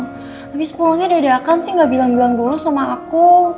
habis pulangnya dadakan sih gak bilang bilang dulu sama aku